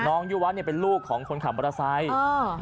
น้องยุวะเป็นลูกของคนขับมอเตอร์ไซค์